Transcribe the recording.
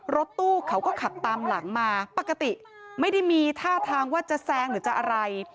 รถตู้เขาก็ขับตามหลังมาปกติไม่ได้มีท่าทางว่าจะแซงหรือจะอะไร